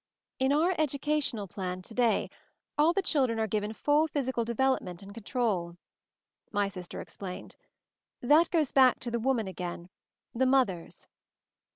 "In our educational plan to day all the children are given full physical development and control," my sister explained. "That goes back to the woman again — the mothers.